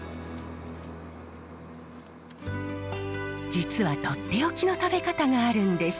実はとっておきの食べ方があるんです。